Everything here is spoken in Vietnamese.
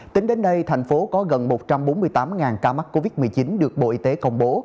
tính đến nay thành phố có gần một trăm bốn mươi tám ca mắc covid một mươi chín được bộ y tế công bố